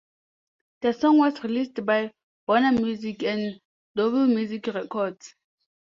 The song was released by Warner Music and Doble Music Records.